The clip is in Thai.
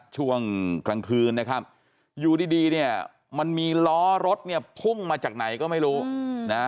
ช่วงกลางคืนนะครับอยู่ดีเนี่ยมันมีล้อรถเนี่ยพุ่งมาจากไหนก็ไม่รู้นะ